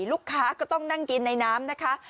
ลูกค้าก็ต้องนั่งกินในน้ำนะคะ